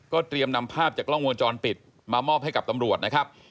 เตรียมนำภาพจากกล้องวงจรปิดมามอบให้กับตำรวจนะครับ